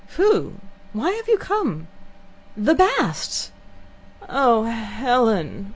"Who? Why have you come?" "The Basts." "Oh, Helen!"